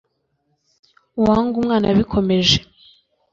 uwanga umwana abikomeje